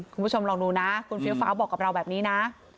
คุณผู้ชมลองดูนะคุณเฟี้ยวฟ้าวบอกกับเราแบบนี้นะ